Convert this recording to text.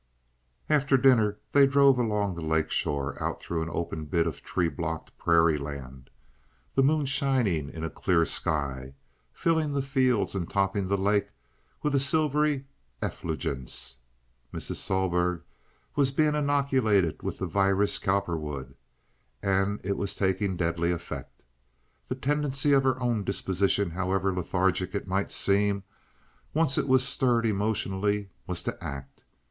After dinner they drove along the lake shore and out through an open bit of tree blocked prairie land, the moon shining in a clear sky, filling the fields and topping the lake with a silvery effulgence. Mrs. Sohlberg was being inoculated with the virus Cowperwood, and it was taking deadly effect. The tendency of her own disposition, however lethargic it might seem, once it was stirred emotionally, was to act.